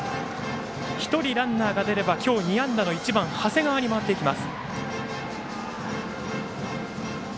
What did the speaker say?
１人ランナーが出ればきょう２安打の１番、長谷川に回っていきます。